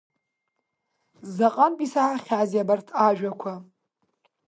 Заҟантә исаҳахьааз абарҭ ажәақәа…